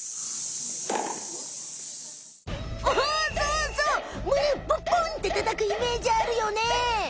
おそうそうむねをぽんぽんってたたくイメージあるよね。